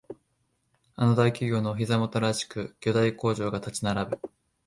あの大企業のお膝元らしく巨大工場が立ち並ぶ